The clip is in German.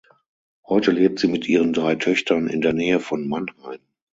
Heute lebt sie mit ihren drei Töchtern in der Nähe von Mannheim.